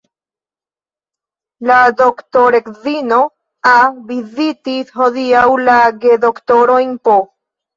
La doktoredzino A. vizitis hodiaŭ la gedoktorojn P.